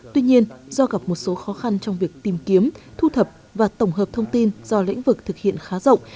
tuy nhiên do gặp một số khó khăn trong việc tìm kiếm thu thập và tổng hợp thông tin do lĩnh vực thực hiện khá rộng